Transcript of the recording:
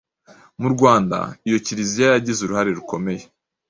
Mu Rwanda, iyo Kiliziya yagize uruhare rukomeye